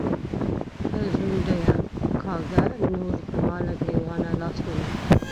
“ځونډیه”کاږه نور زما له ګرېوانه لاسونه